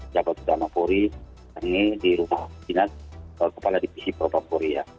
jabat jawa poli ini di rumah kepala divisi propok poli ya